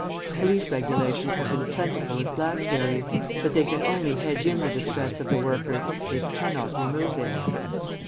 Police regulations have been plentiful as blackberries; but they can only hedge in the distress of the workers, they cannot remove it.